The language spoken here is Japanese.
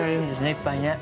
いっぱいね。